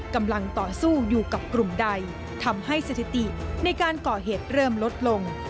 กำลังต่อสู้อยู่กับกลุ่มใดทำให้สถิติในการก่อเหตุเริ่มลดลง